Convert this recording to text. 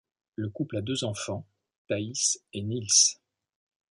Le couple a deux enfants, Thaïs et Nils.